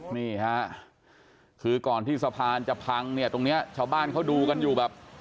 นี่ฮะคือก่อนที่สะพานจะพังเนี่ยตรงนี้ชาวบ้านเขาดูกันอยู่แบบ